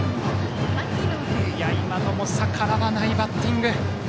今のも逆らわないバッティング。